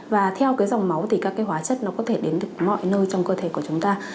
và theo dòng máu thì các hóa chất có thể đến được mọi nơi trong cơ thể của chúng ta